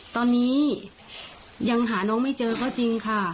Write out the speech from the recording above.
ตอนนี้ยังหาน้องไม่เจอก็จริงค่ะ